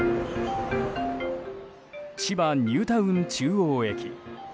千葉ニュータウン中央駅。